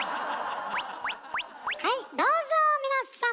はいどうぞ皆さん！